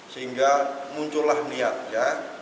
sehingga muncullah niatnya